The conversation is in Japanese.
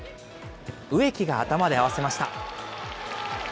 植木が頭で合わせました。